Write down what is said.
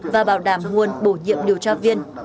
và bảo đảm nguồn bổ nhiệm điều tra viên